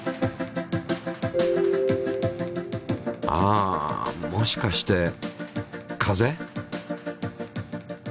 あもしかして風？